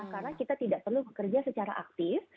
karena kita tidak perlu bekerja secara aktif